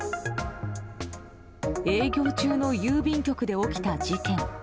営業中の郵便局で起きた事件。